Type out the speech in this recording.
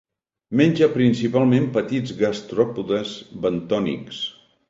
Menja principalment petits gastròpodes bentònics.